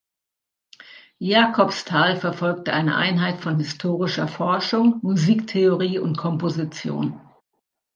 Jacobsthal verfolgte eine Einheit von historischer Forschung, Musiktheorie und Komposition.